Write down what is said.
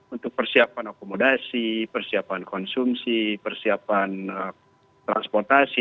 untuk persiapan akomodasi persiapan konsumsi persiapan transportasi